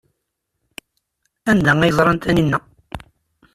Anda ay ẓran Taninna?